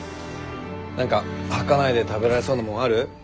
何か吐かないで食べられそうなもんある？